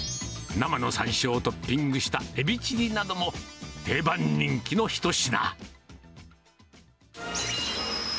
生のサンショウをトッピングしたエビチリなども、定番人気の一品。